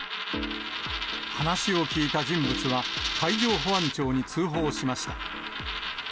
話を聞いた人物は、海上保安庁に通報しました。